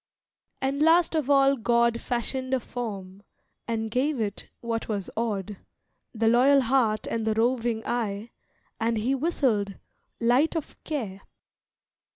And last of all God fashioned a form, And gave it, what was odd, The loyal heart and the roving eye; And he whistled, light of care.